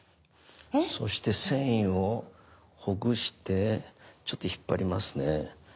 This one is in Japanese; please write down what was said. そして繊維をほぐしてちょっと引っ張りますね。